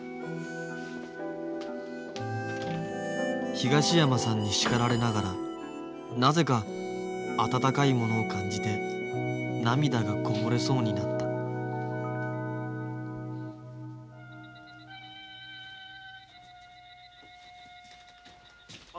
東山さんに叱られながらなぜか温かいものを感じて涙がこぼれそうになったあ。